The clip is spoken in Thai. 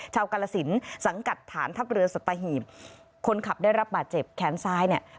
กาลสินสังกัดฐานทัพเรือสัตหีบคนขับได้รับบาดเจ็บแขนซ้ายเนี่ย